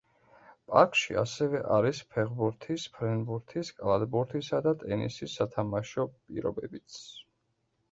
პარკში ასევე არის ფეხბურთის, ფრენბურთის, კალათბურთისა და ტენისის სათამაშო პირობებიც.